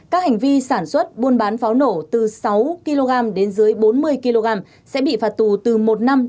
các hành vi sản xuất buôn bán pháo nổ từ sáu kg đến dưới bốn mươi kg sẽ bị phạt tù từ một năm